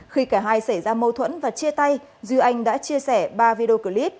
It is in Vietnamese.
khi cả hai xảy ra mâu thuẫn và chia tay duy anh đã chia sẻ ba video clip